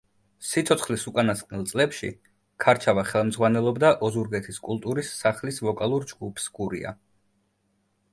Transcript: სიცოცხლის უკანასკნელ წლებში ქარჩავა ხელმძღვანელობდა ოზურგეთის კულტურის სახლის ვოკალურ ჯგუფს „გურია“.